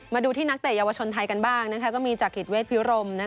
มาดูที่นักเตะเยาวชนไทยกันบ้างก็มีจากกิจเวทพิรม